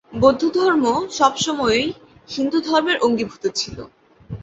বৌদ্ধধর্ম সব সময়ই হিন্দুধর্মের অঙ্গীভূত ছিল।